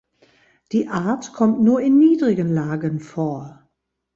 Die Art kommt nur in niedrigen Lagen vor.